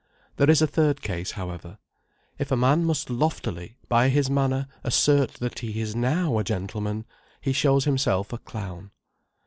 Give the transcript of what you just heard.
There is a third case, however. If a man must loftily, by his manner, assert that he is now a gentleman, he shows himself a clown.